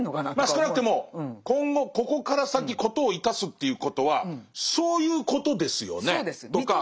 まあ少なくても今後ここから先事を致すということはそういうことですよねとか。